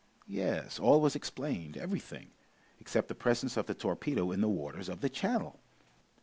Yes! all was explained, everything except the presence of the torpedo in the waters of the channel!